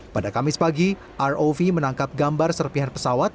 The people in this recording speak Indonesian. pada kamis pagi rov menangkap gambar serpihan pesawat